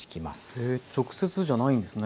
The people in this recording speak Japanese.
へえ直接じゃないんですね。